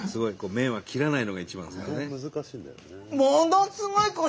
麺は切らないのが一番ですからね。